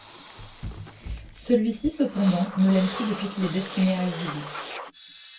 Celui-ci cependant ne l'aime plus depuis qu'il est destiné à Eurydice.